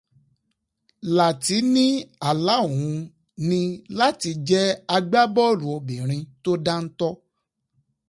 Làtí ní àlá òun ní láti jẹ́ agbábọ́ọ̀lù obìnrin tó dáńtọ́.